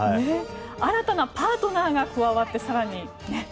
新たなパートナーが加わって、更に。